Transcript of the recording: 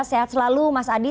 sehat selalu mas adi